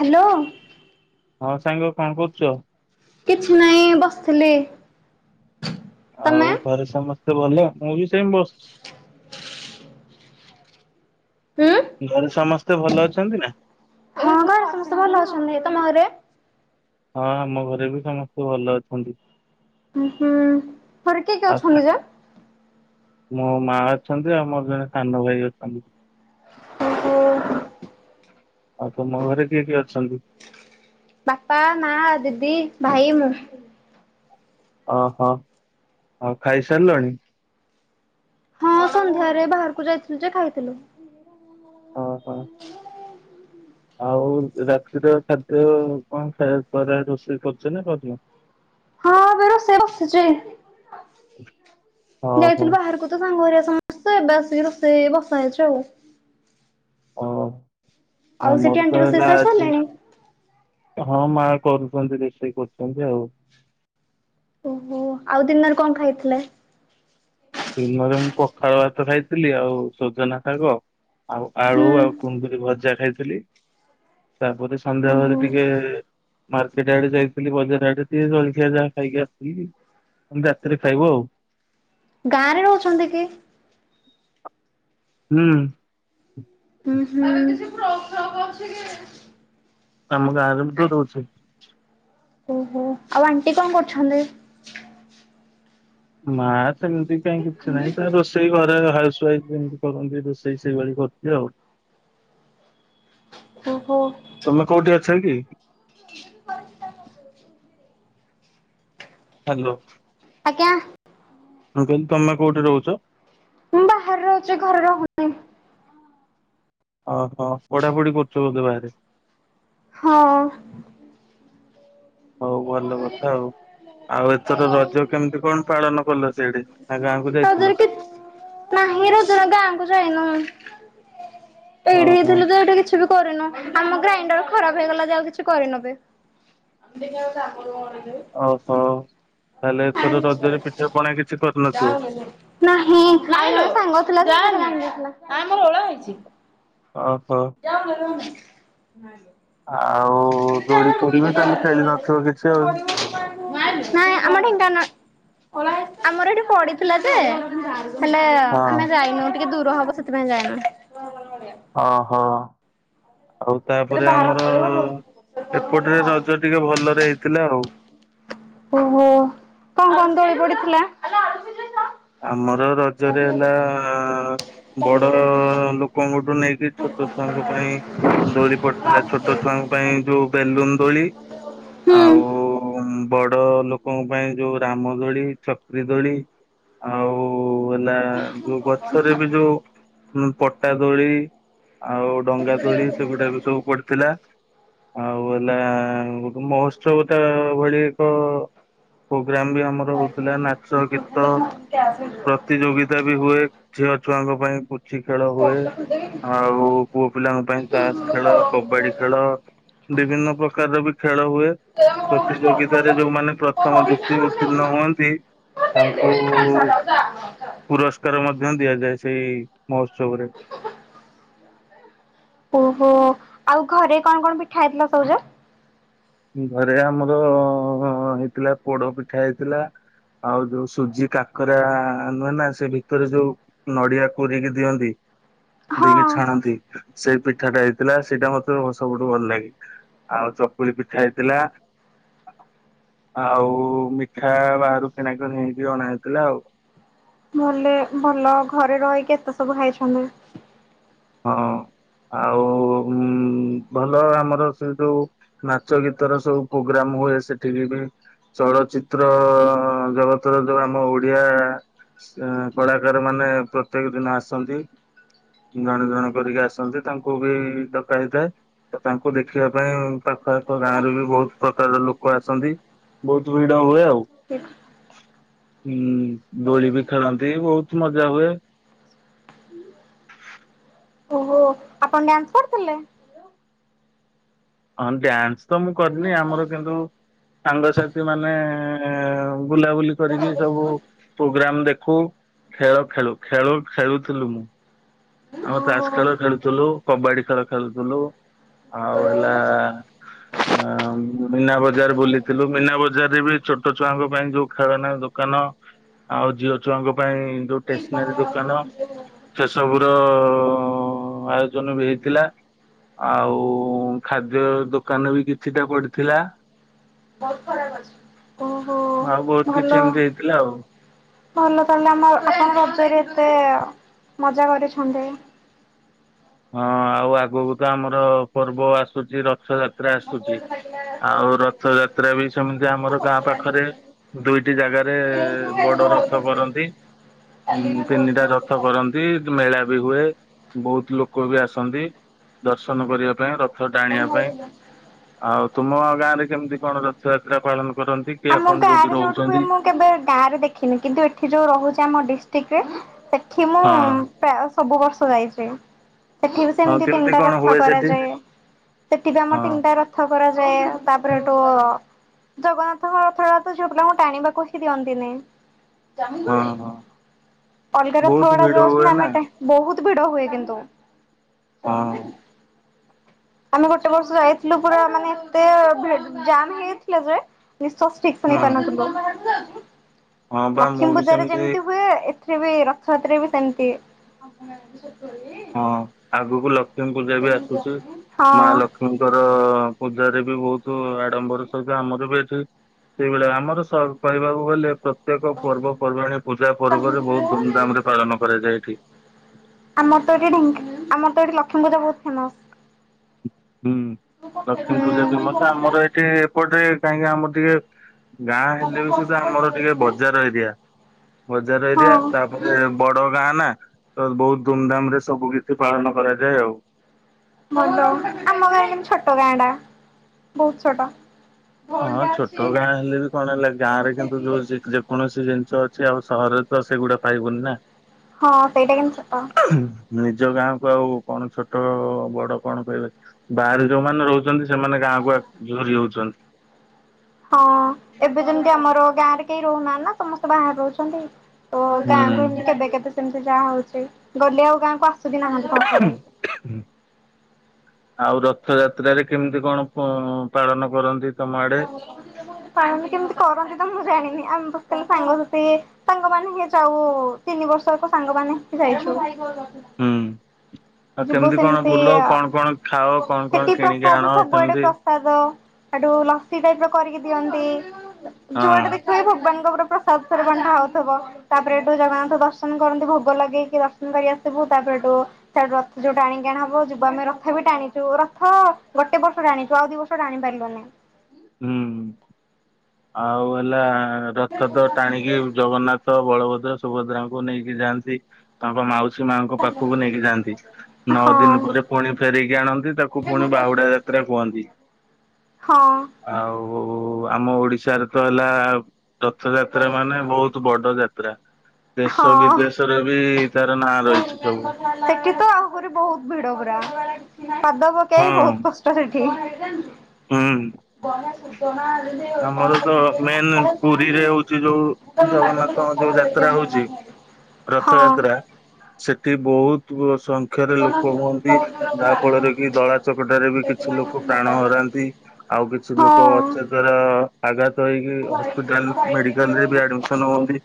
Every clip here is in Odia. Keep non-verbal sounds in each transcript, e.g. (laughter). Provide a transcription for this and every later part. ହ୍ୟାଲୋ। ହଁ ସାଙ୍ଗ କଣ କରୁଛ? କିଛି ନାହିଁ ବସିଥିଲି। ତମେ? ଆଉ ଘରେ ସମସ୍ତେ ଭଲ ମୁଁ ବି ସେମ ବସିଛି। ହୁଁ। ଘରେ ସମସ୍ତେ ଭଲ ଅଛନ୍ତି ନା। ହଁ ବା ସମସ୍ତେ ଭଲ ଅଛନ୍ତି ତମ ଘରେ? ହଁ ଆମ ଘରେ ବି ସମସ୍ତେ ଭଲ ଅଛନ୍ତି। ହୁଁ ହୁଁ ଘରେ କିଏ କିଏ ଆଉ ସା- ଅଛନ୍ତି ଯେ? ମୋ ମା ଅଛନ୍ତି ଆଉ ମୋର ଜଣେ ସାନ ଭାଇ ଅଛନ୍ତି। ଓ ହୋ। ଆଉ ତୁମ ଘରେ କିଏ କିଏ ଅଛନ୍ତି? ବାପା ମା ଦିଦି ଭାଇ ମୁଁ। ଅ ହ ଆଉ ଖାଇସାରିଲଣି? ହଁ ସନ୍ଧ୍ୟାରେ ବାହାରକୁ ଯାଇଥିଲୁ ଯେ ଖାଇଥିଲୁ। ଓହୋ। ଆଉ ରାତିର ଖାଦ୍ୟ କଣ ଖାଇବା ଦ୍ଵାରା ରୋଷେଇ କରୁଛ ନା କରିନ? ସେ ବସିଚି ଓହୋ ଯାଇଥିଲୁ ବାହାରକୁ। ତ ସାଙ୍ଗ ହେରିକା ସମସ୍ତେ ଏବେ ଆସିକି ରୋଷେଇ ବସା ହେଇଛି ଆଉ। ଓ ଆଉ ସେଠି ଆମର ଆଣ୍ଟି ତ ରୋଷେଇ ହେଲା ସାରି ଆଜି ସାରିଲେଣି? ହଁ ମା କରୁଛନ୍ତି ରୋଷେଇ କରୁଛନ୍ତି ଆଉ। ଓହୋ ଆଉ ଦିନରେ କଣ ଖାଇଥିଲେ? ଦିନରେ ମୁଁ ପଖାଳ ଭାତ ଖାଇଥିଲି ଆଉ ସଜନା ଶାଗ। ଆଉ ଆଳୁ ହୁଁ ଆଉ କୁନ୍ଦୁରି ଭଜା ଖାଇଥିଲି। ତାପରେ ସନ୍ଧ୍ୟାବେଳେ ଓହୋ ଟିକେ ମାର୍କେଟ ଆଡେ ଯାଇଥିଲି ବଜାର ଆଡେ ଟିକେ ଜଳଖିଆ ଯାହା ଖାଇକି ଆସିଥିଲି। ରାତିରେ ଖାଇବୁ ଆଉ। ଗାଁ ରେ ରହୁଛନ୍ତି କି? ହୁଁ। ଊଁହୁ। ଆମ ଗାଁରେ ବିତ ରଉଛି। ଓହୋ ଆଉ ଆଣ୍ଟି କଣ କରୁଛନ୍ତି? ମା ସେମିତି କାଇଁ କିଛି ନାହିଁ ତା ରୋସେଇ ସେଇ ଘରେ ହାଉସ ୱାଇଫ ଯେମିତି କରନ୍ତି ରୋଷେଇ ସେଇଭଳି କରୁଛି ଆଉ। (inaudible) ଓହୋ। ତମେ କୋଉଠି ଅଛ କି? ହ୍ୟାଲୋ। ଆଜ୍ଞା। ମୁ କହିଁଲି ତମେ କଉଠି ରହୁଛ? ମୁଁ ବାହାରେ ରହୁଛି ଘରେ ରହୁନି। ଓହୋ ପଢ଼ା ପଢ଼ି କରୁଛ ବୋଧେ ବାହାରେ। ହଁ। ହଉ ଭଲ କଥା ଆଉ ଏଥର ରଜ କେମିତି କଣ ପାଳନ କଲ ସେଇଠି ଗାଁ? ବୁଲି ରଜରେ ଯାଇଥିଲ। (inaudible) କି ନାହିଁ ରୁଦ୍ର ଗାଁକୁ ଯାଇନୁ ଏଇଠି ଓହୋ ହେଇଥିଲୁ ଯୋଉଠି କିଛି। କରିନୁ ଆମ ଗ୍ରାଇଣ୍ଡର ଖରାପ ହେଇଗଲା ଯେ ଆଉ କିଛି କରିନାହାନ୍ତି। (unintelligible) ଓହୋ ତାହେଲେ ଏଥର ରଜରେ ପିଠା ପଣା କିଛି କରିନଥିବ। ନାଁ ହିଁ ନାଇଲୋ ଜାନି ନାଇଁ ମୋର ଓଳା ହେଇଛି। (unintelligible) ଓହୋ। (unintelligible) ହୁଁ ଆଉ। (inaudible) ଦୋଳି ନାଇଁ ଫୋଳି ବି ତାହେଲେ ଖେଳି ନଥିବ କିଛି ଆଉ। ଆମ ଢେଙ୍କା ନାଇଁ ଆମର ଏଠି ପଡ଼ିଥିଲା ଯେ ହେଲେ ଆମେ ହଁ ଯାଇନୁ ଟିକେ ଦୂର ହବ ସେଥିପାଇଁ ଯାଇନୁ। ଓହଁ ଆଉ ତାପରେ ଆମର ଏପଟରେ ରଜ ଟିକେ ଭଲରେ ହେଇଥିଲା ଆଉ। ଓହୋ କଣ କଣ ଦୋଳି ପଡ଼ିଥିଲା? ଆମର ରଜରେ ହେଲା ବଡ଼ ଲୋକଙ୍କଠୁ ନେଇକି ଛୋଟ ଛୁଆଙ୍କ ପାଇଁ- ଦୋଳି ପଡ଼ିଥିଲା ଛୋଟ ଛୁଆଙ୍କ ପାଇଁ ଯଉ ବେଲୁନ ଦୋଳି ହୁଁ। ଆଉ ବଡ଼ ଲୋକଙ୍କ ପାଇଁ ଯଉ ରାମ ଦୋଳି ଚକ୍ରି ଦୋଳି ଆଉ ହେଲା ଯଉ ଗଛରେ ବି ଯଉ ପଟା ଦୋଳି ଆଉ ଡଙ୍ଗା ଦୋଳି ସେଗୁଡ଼ାକ ସବୁ ପଡ଼ିଥିଲା। ଆଉ ହେଲା ଗୋଟେ ମହୋତ୍ସବ ତା ଭଳି ଏକ ପୋଗ୍ରାମ୍ ବି ଆମର ହଉଥିଲା ନାଚ ଗୀତ ପ୍ରତିଯୋଗିତା ବି ହୁଏ ଝିଅ ଛୁଆଙ୍କ ପାଇଁ ପୁଚି ଖେଳ ହୁଏ। ଆଉ ପୁଅ ପିଲାଙ୍କ ପାଇଁ ତାସ୍ ଖେଳ କବାଡ଼ି ଖେଳ ବିଭିନ୍ନ ପ୍ରକାରର ବି ଖେଳ ହୁଏ। ପ୍ରତିଯୋଗିତାରେ ଯଉମାନେ ପ୍ରଥମ ଦ୍ୱିତୀୟ ଉତୀର୍ଣ ହୁଅନ୍ତି ତାଙ୍କୁ ପୁରସ୍କାର ମଧ୍ୟ ଦିଆଯାଏ ସେଇ ମହୋତ୍ସବରେ। ଓହୋ ଆଉ ଘରେ କଣ କଣ ପିଠା ହେଇଥିଲା ସବୁଜେ? ଘରେ ଆମର ହେଇଥିଲା ପୋଡ଼ ପିଠା ହେଇଥିଲା। ଆଉ ଯଉ ସୁଜି କାକରା ନୁହେଁ ନା ସେ ଭିତରେ ଯଉ ନଡ଼ିଆ କୁରିକି ଦିଅନ୍ତି। ହଁ। ଦେଇକି ଛାଣନ୍ତି ସେଇ ପିଠାଟା ହେଇଥିଲା ସେଇଟା ମତେ ସବୁଠୁ ଭଲ ଲାଗେ। ଆଉ ଚକୁଳି ପିଠା ହେଇଥିଲା। ଆଉ ମିଠା ବାହାରୁ କିଣା କିଣି ହେଇକି ଅଣା ହେଇଥିଲା ଆଉ। ଭଲେ ଭଲ ଘରେ ରହିକି ଏତେ ସବୁ ହେଇଛନ୍ତି। ହଁ ଆଉ ଉଁ ଭଲ ଆମର ସେ ଯଉ ନାଚ ଗୀତର ସବୁ ପୋଗ୍ରାମ ହୁଏ ସେଠିକି ବି ଚଳଚିତ୍ର ଜଗତର ଯୋଉ ଆମ ଓଡିଆ କଳାକାର ମାନେ ପ୍ରତ୍ୟେକ ଦିନ ଆସନ୍ତି। ଜଣେ ଜଣ କରିକି ଆସନ୍ତି ତାଙ୍କୁ ବି ଡକା ହେଇଥାଏ। ତ ତାଙ୍କୁ ଦେଖିବା ପାଇଁ ପାଖାଆଖ ଗାଁରୁ ବି ବହୁତ ପ୍ରକାରର ଲୋକ ଆସନ୍ତି। ବହୁତ ଭିଡା ହୁଏ ଆଉ। ହୁଁ ଦୋଳି ବି ଖେଳନ୍ତି, ବହୁତ ମଜା ହୁଏ। ଓହୋ ଆପଣ ଡ୍ୟାନ୍ସ କରିଥିଲେ? ହଁ ଡ୍ୟାନ୍ସ ତ ମୁଁ କରିନି ଆମର କିନ୍ତୁ ସାଙ୍ଗସାଥି ମାନେ ବୁଲାବୁଲି କରିକି ସବୁ ପ୍ରୋଗ୍ରାମ ଦେଖୁ ଖେଳ ଖେଳୁ, ଖେଳୁ ଖେଳୁଥିଲୁ ମୁଁ ଆମେ ତାଷ ଖେଳ ଖେଳୁଥିଲୁ, କବାଡି ଖେଳ ଖେଳୁଥିଲୁ, ଆଉ ହେଲା ଆ ମୀନା ବଜାର ବୁଲିଥିଲୁ, ମୀନା ବଜାର ରେ ବି ଛୋଟ ଛୁଆଙ୍କ ପାଇଁ ଯୋଉ ଖେଳନା ଦୋ କାନ ଆଉ ଝିଅ ଛୁଆଙ୍କ ପାଇଁ ଯୋଉ ଟେସନାରୀ ଦୋକାନ ସେ ସବୁ ତ ଆୟୋଜନ ବି ହେଇଥିଲା। ଆଉ ଖାଦ୍ୟ ଦୋକାନ ବି କିଛିଟା ପଡିଥିଲା। ବହୁତ ଖରାପ ଅଛି, ଓହୋ ଆଉ ବହୁତ କିଛି ଭଲ। ଏମିତି ହେଇଥିଲା ଆଉ। ଭଲ ତାହେଲେ ଆମେ ଆପଣଙ୍କରଜରେ ଏତେ ମଜା କରିଛନ୍ତି। ହଁ ଆଉ ଆଗକୁ ତ ଆମର ପର୍ବ ଆସୁଛି ରଥଯାତ୍ରା ଆସୁଛି। ଆଉ ରଥ ଯାତ୍ରା ବି ସେମିତି ଆମର ଗାଁ ପାଖରେ ଦୁଇଟି ଜାଗାରେ ବଡ ରଥ କରନ୍ତି, ଉ ତିନିଟା ରଥ କରନ୍ତି, ମେଳା ବି ହୁଏ, ବହୁତ ଲୋକ ବି ଆସନ୍ତି ଦର୍ଶନ କରିବା ପାଇଁ, ର ରଥ ଟାଣିବା ପାଇଁ ଆଉ ତୁମ ଗାଁରେ କେମିତି କଣ ରଥଯାତ୍ରା ପାଳନ କରନ୍ତି? କି ଆମ ଆପଣ ଯୋଉଠି ଗାଁରେ ଯୋଉଠୁ ରହୁଛନ୍ତି? ମୁଁ, କେବେ ଗାଁ ରେ ଦେଖିନି, କିନ୍ତୁ ଏଠି ଯୋଉ ରହୁଛି ଆମ ଡିଷ୍ଟ୍ରିକ୍ଟ ରେ ସେଠି ମୁ ହଁ, ସବୁ ବର୍ଷ ଯାଇଛି। ସେଠି ବି ହଁ ସେମିତି କେମିତି ତିନିଟା କଣ ରଥ ହୁଏ ସେଠି କରାଯାଏ। ସେଠି ବି ଆମର ହଁ ତିନିଟା ରଥ, କରାଯାଏ ତାପରେଠୁ ଜଗନ୍ନାଥ, ରଥ ତ ଝିଅପିଲାଙ୍କୁ ଟାଣିବାକୁ ହି ଦିଅନ୍ତିନି। ହଁ ହଁ। ଅଲଗା ରଥ ବହୁତ ଗୁଡା ଭିଡ ଯୋଉ ଅଛନ୍ତି ହୁଏ ନା ଆମେ ଏଟେ ବହୁତ ଭିଡ ହୁଏ କିନ୍ତୁ, ହଁ ଆମେ ଗୋଟେ ବର୍ଷ ଯାଇଥିଲୁ ପୁରା ମାନେ ଏତେ ଜାମ ହେଇଥିଲା ଯେ, ନିଶ୍ୱାସ ଠିକ ସେ ନେଇ ହୁଁ ପରୁନଥିଲୁ। ହଁ ବା ମୁଁ ବି ଲକ୍ଷ୍ମୀପୂଜାରେ ସେମିତି ଯେମିତି ହୁଏ ବି ରଥଯାତ୍ରରେ ବି ସେମିତି, ହଁ ଆଗକୁ ଲକ୍ଷ୍ମୀ ପୂଜା ବି ଆସୁଛି, ହଁ। ମା ଲକ୍ଷ୍ମୀ ବିଷ୍ମୁଙ୍କର ପୂଜା ରେ ବି ବହୁତ ଆଡମ୍ବର ସହିତ ଆମର ବି ଏଠି, ସେଇଭଳିଆ ଆମର କହିବାକୁ ଗଲେ ପ୍ରତ୍ୟେକ ପର୍ବପର୍ବାଣିୀ, ପୂଜା ପର୍ବରେ ବହୁତ ଧୁମଧାମ ରେ ପାଳନ କରାଯାଏ ଏଠି। ଆମର ତ ଏଠିଢ ଆମ ତ ଏଠି ଲକ୍ଷ୍ୀୂଜା ବହୁତ ଫେମସ (unintelligible) ହୁଁ ଲକ୍ଷ୍ମୀ ପୂଜା ପ୍ରସିଦ୍ଧ ଆମର ଏଠି ଏପଟେ କାହିଁକି ଆମର ଟିକେ, ଗାଁ ହେଲେ ବି ସୁଦ୍ଧା ଆମର ଟିକେ ବଜାର ଅଞ୍ଚଳ। ବଜାର ଅଞ୍ଚଳ ହଁ। ତାପରେ ବଡ ଗାଁ ନା ତ ବହୁତ ଧୁମଧାମ ରେ ସବୁ କିଛି ପାଳନ କରାଯାଏ। ଆଉ (unintelligible) ଆମ ଗାଁ କିନ୍ତୁ ଛୋଟ ଗାଁ ଟା ବହୁତ ଛୋଟ। ହଁ ଛୋଟ ଗାଁ ହେଲେ ବି କଣ ହେଲା, ଗାଁ ରେ କିନ୍ତୁ ଯୋଉ (unintelligible) କୌଣସି ଜିନିଷ ଅଛି ଆଉ ସହରରେ ତ ସେଗୁଡା ପାଇବୁନି ନା। ହଁ ସେଇଟା କିନ୍ତୁ ସତ। ନିଜ ଗାଁ କୁ ଆଉ କଣ ଛୋଟ ବଡ କଣ କହିବେ। ବାହାରେ ଯୋଉମାନେ ରହୁ ସେମାନେ ଗାଁକୁ ଆ ଝୁରି ହଉଛନ୍ତି। ହଁ ଏବେ ଯେମିତି ଆମର ଗାଁ ରେ କେହି ରହୁନାହାନ୍ତି ନା, ସମସ୍ତେ ବାହାରେ ରହୁଛନ୍ତି। ଓ ହୁଁ। ଗାଁକୁ ଏମିତି କେବେ କେବେ ସେମିତି ଯାଆ ହଉଛି। ଗଲେ ଆଉ ଗାଁକୁ ଆସୁ ବି ନାହାନ୍ତି। ପାଖରେ ଏମିତି। (inaudible) ଆଉ ରଥଯାତ୍ରାରେ କେମିତି କଣ ଫୋ ପାଳନ କରନ୍ତି ତମ ଆଡେ? ପାଳନ କେମିତି କରନ୍ତି ତ ମୁଁ ଜାଣିନି। ଆମେ ତ ସାଙ୍ଗସାଥି ସାଙ୍ଗମାନେ ହି ଯାଉ। ତିନି ବର୍ଷ ଆକ ସାଙ୍ଗମାନେ ହିଁ ଯାଇଛୁ। ହୁଁ। ଆଉ ଯିବୁ କେମିତି କଣ ସେମିତି ବୁଲ? କଣ କଣ ଖାଅ? କଣ ସେଠି କଣ କିଣିକି ପ୍ରସାଦ ଆଣ, ସବୁଆଡେ କେମିତି? ହେଠୁ ଲସି ଟାଇପର କରିକି ଦିଅନ୍ତି। ହଁ ଯୁଆଡେ ଦେଖିବେ ଭଗବାନଙ୍କ ଉପରେ ପ୍ରସାଦ ସବୁ ବଣ୍ଟା ହଉଥିବ। ତାପରେ ହେଠୁ ଜଗନ୍ନାଥ ଦର୍ଶନ କରନ୍ତି। ଭୋଗ ଲଗେଇକି ଦର୍ଶନ କରି ଆସିବୁ। ତାପରେ ହେଠୁ ସେ ରଥ ଯୋଉ ଟାଣିକି ଆଣା ହବ ଯିବୁ ଆମେ ରଥ ବି ଟାଣିଛୁ। ରଥ ଗୋଟେ ବର୍ଷ ଟାଣିଛୁ। ଆଉ ଦି ବର୍ଷ ଟାଣି ପାରିଲୁନି। ହୁଁ। ଆଉ ହେଲା ରଥ ତ ଟାଣିକି ଜଗନ୍ନାଥ ଥ, ବଳଭଦ୍ର, ସୁଭଦ୍ରାଙ୍କୁ ନେଇକି ଯାଆନ୍ତି। ତାଙ୍କ ମାଉସୀ ମାଆଙ୍କ ପାଖକୁ ନେଇକି ଯାଆନ୍ତି। ନଅ ଦିନି ହଁ। ପରେ ପୁଣି ଫେରେଇକି ଆଣନ୍ତି। ତାକୁ ପୁଣି ବାହୁଡା ଯାତ୍ରା କୁହନ୍ତି। ହଁ। ଆଉ ଆମ ଓଡ଼ିଶାରେ ତ ହେଲା ରଥଯାତ୍ରା ମାନେ ବହୁତ ବଡ ଯାତ୍ରା। ଦେଶ ହଁ। ବିଦେଶରେ ବି ତାର ନାଁ ରହିଛି ସବୁ। ସେଠି ତ ଆହୁରି ବହୁତ ଭିଡ ପୁରା। ପାଦ ପକେଇ ହଁ ବହୁତ କଷ୍ଟ। ଷ୍ଟ ସେଠି। ହୁଁ, ଆମର ତ ମେନ୍ ପୁରୀରେ ହଉଛି ଯୋଉ ଜଗନ୍ନାଥଙ୍କ ଯୋଉ ଯାତ୍ରା ହଉଛି, ରଥ ହଁ ଯାତ୍ରା ସେଠି ବହୁତ (unintelligible) କ୍ଷରେ ଲୋକ ହୁଅନ୍ତି। ଯାହା ଫଳରେ କି ଦଳା ଚକଟାରେ ବି କିଛି ଲୋକ ପ୍ରାଣ ହରାନ୍ତି। ଆଉ କିଛି ହଁ ଲୋକ ଅଚେତରେ ଆଘାତ ହେଇକି ହସ୍ପିଟାଲ ମେଡିକାଲ ରେ ବି ଆଡମିସନ ହୁଅନ୍ତି।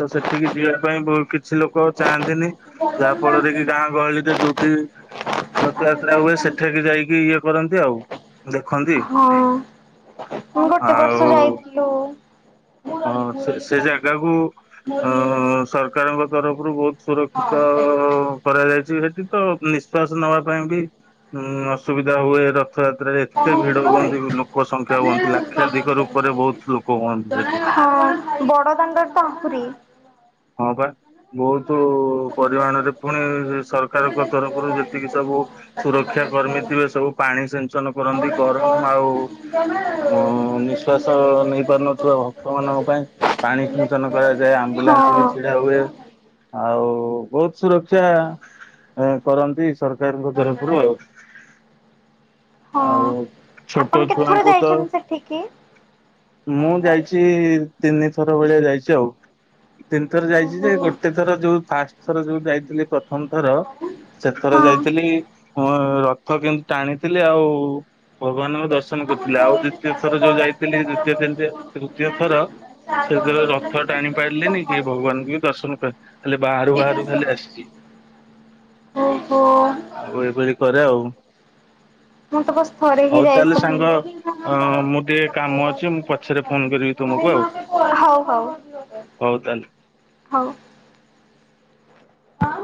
ତ ସେଠିକି ଯିବା ପାଇଁ ବହୁତ କିଛି ଲୋକ ଚାହାନ୍ତିନି। ଯାହା ଫଳରେ କି ଗାଁ ଗହଳିରେ ଯୋଉଠି ରଥଯାତ୍ରା ହୁଏ ସେଠାରେ ଯାଇକି ଇଏ କରନ୍ତି ଆଉ ଦେଖନ୍ତି। ମୁଁ ଗୋଟେ ବର୍ଷ ଆଉ ଯାଇଥିଲୁ। ହଁ ସେ ସେ ଜାଗାକୁ ଅଁ ସର ସରକାରଙ୍କ ତରଫରୁ ବହୁତ ସୁରକ୍ଷିତ କରାଯାଇଛି ସେଠି ତ। ନିଶ୍ଵାସ ନବା ପାଇଁ ବି ଉଁ ଅସୁବିଧା ହୁଏ। ର ରଥଯାତ୍ରାରେ ଏତେ ଭିଡ ହୁଅନ୍ତି। ଲୋକ ସଂଖ୍ୟା ହୁଅନ୍ତି। ଲାକ୍ଷାଧିକ ରୂପରେ ବହୁତ ଲୋକ ହୁଅନ୍ତି ସେଠି। ହଁ ବଡ଼ଦାଣ୍ଡରେ ତ ଆହୁରି। ହଁ ବା। ବହୁତୁ ପରିମାଣରେ ପୁଣି ସରକାରଙ୍କ ତରଫରୁ ଯେତିକି ସବୁ ସୁରକ୍ଷା କର୍ମୀ ଥିବେ ସବୁ ପାଣି ସିଞ୍ଚନ କରନ୍ତି। ଗରମ ଆଉ ଅ ନିଶ୍ୱା ବିଶାସ ନେଇ ପାରୁନଥିବା ଭକ୍ତ ମାନଙ୍କ ପାଇଁ ପାଣି ସିଞ୍ଚନ କରାଯାଏ ଆମ୍ବୁଲାନ୍ସ ବି ହୁଏ ହଁ। ଆଉ ବୋହୁତ ସୁରକ୍ଷା କରନ୍ତି ସରକାର ସରକାରଙ୍କ ତରଫରୁ ଆଉ। ଆଉ ହଁ ଆପଣ ଛୋଟ କେତେଥର ଛୁଆଙ୍କୁ ତ ଯାଇଛନ୍ତି ସେଠିକି? ମୁଁ ଯାଇଛି। ଚି ତିନିଥର ଭଳିଆ ଯାଇଛି ଆଉ। ତିନି ଥର ଯାଇଚି ଯେ ଗୋଟେ ଥର ଯୋଉ ଫାଷ୍ଟ ଥର ଯୋଉ ଯାଇଥିଲେ ପ୍ରଥମଥର ସେଥର ହଁ। ଯାଇଥିଲି ମୁ ରଥ କିନ୍ତୁ ଟାଣିଥିଲି ଆଉ ଭଗବାନଙ୍କୁ ଦର୍ଶନ କରିୁଥିଲି ଆଉ ଦ୍ଵିତୀୟ ଥର ଯୋଉ ଯାଇଥିଲି ଦ୍ୱିତୀୟ ତୃତୀୟ ଥର ସେଥିରେ ରଥ ଟାଣି ପାରିଲେନି। ସିଏ ଭଗବାନଙ୍କୁ ବି ଦର୍ଶନ କ ଖାଲି ବାହାରୁ ବାହାରୁ ଖାଲି ଆସିଛି। ଓହୋ। ଆଉ ଏପରି କରେ ଆଉ। ମୁଁ ତ ବାସ ଥରେ ହିଁ ହଉ ତାହେଲେ ସାଙ୍ଗ ଯାଇଥିଲି। ଅ ମୁଁ ଟିକେ କାମ ଅଛି ମୁଁ ପଛରେ ଫୋନ କରିବି ତୁମକୁ ଆଉ ହୋଉ ହୋଉ ହଉ ତାହେଲେ। ହୋଉ। ଆଉ।